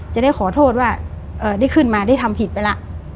จะได้ขอโทษว่าได้ขึ้นมาได้ทำผิดไปแล้ว